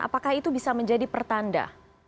apakah itu bisa menjadi pertanda